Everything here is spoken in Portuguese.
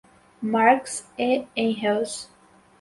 Marx e Engels